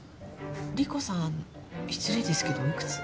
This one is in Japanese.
莉湖さん失礼ですけどお幾つ？